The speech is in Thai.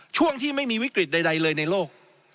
ช่วงที่ไม่มีวิกฤตใดเลยในโลก